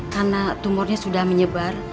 karena tumornya sudah menyebar